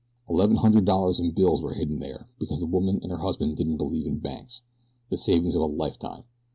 Eleven hundred dollars in bills were hidden there, because the woman and her husband didn't believe in banks the savings of a lifetime.